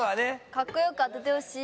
カッコよく当ててほしい。